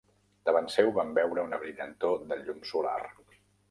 Davant seu van veure una brillantor de llum solar.